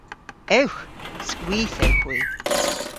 Ewgh. Skwith ewgh hwi.